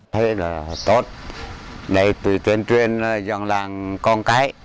thế là tốt đây từ tuyên truyền dòng làng con cái